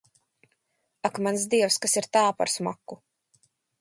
Ak, mans Dievs, kas ir tā, par smaku?